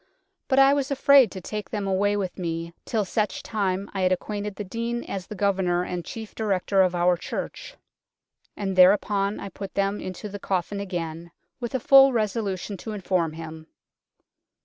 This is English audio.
But I was afraid to take them away with me till such time I had acquainted the Dean as the governour and chief Director of our church ; And thereupon I put them into the coffin again, with a full resolution to inform him."